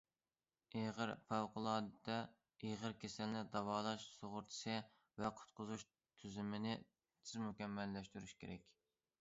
ئېغىر، پەۋقۇلئاددە ئېغىر كېسەلنى داۋالاش سۇغۇرتىسى ۋە قۇتقۇزۇش تۈزۈمىنى تېز مۇكەممەللەشتۈرۈش كېرەك.